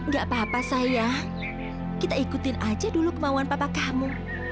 gak apa apa sayang kita ikutin aja dulu kemauan papa kamu